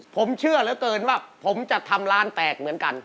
ผมเชื่อเหลือเกินว่าผมจะทำร้านแตกเหมือนกัน